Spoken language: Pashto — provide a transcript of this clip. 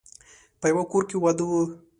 په يوه کور کې واده و.